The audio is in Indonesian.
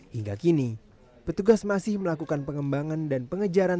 hingga kini petugas masih melakukan pengembangan dan pengejaran